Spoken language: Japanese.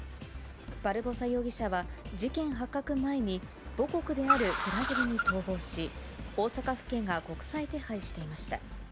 バルボサ容疑者は、事件発覚前に母国であるブラジルに逃亡し、大阪府警が国際手配していました。